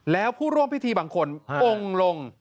แล้วผู้ร่วมพิธีบางคนองค์ลง